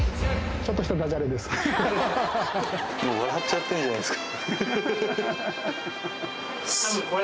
もう笑っちゃってんじゃないですか。